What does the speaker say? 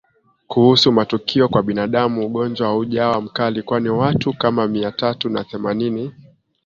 Kuhusu matukio kwa binadamu ugonjwa haujawa mkali kwani watu kama Mia tatu na themanini